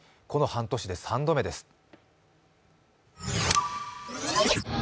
この半年で３度目です。